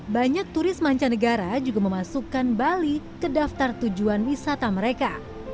banyak turis mancanegara juga memasukkan bali ke daftar tujuan wisata mereka